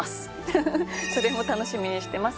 それも楽しみにしてます。